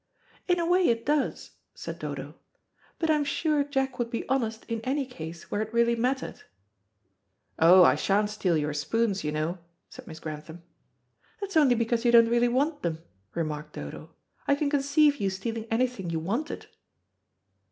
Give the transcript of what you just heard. "In a way it does," said Dodo. "But I'm sure Jack would be honest in any case where it really mattered." "Oh, I sha'n't steal your spoons, you know," said Miss Grantham. "That's only because you don't really want them," remarked Dodo. "I can conceive you stealing anything you wanted."